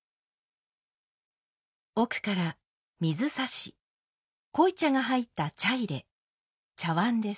奥から「水指」濃茶が入った「茶入」「茶碗」です。